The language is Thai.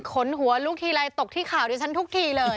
ขนหัวลุกทีไรตกที่ข่าวดิฉันทุกทีเลย